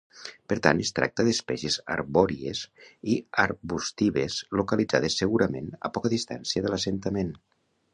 Per tant, es tracta d’espècies arbòries i arbustives localitzades segurament a poca distància de l’assentament.